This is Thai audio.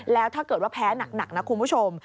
แล้วถ้าเกิดว่าแพ้หนักนะคุณผู้ชม